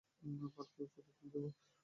পাল কি আরো উঁচুতে তুলে দেবো?